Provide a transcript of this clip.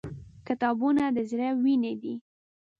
• کتابونه د زړه وینې دي.